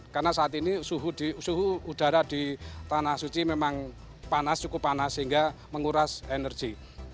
karena saat ini suhu udara di tanah suci memang panas cukup panas sehingga menguras energi